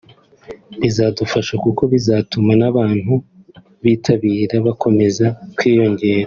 …bizadufasha kuko bizatuma n’abantu bitabira bakomeza kwiyongera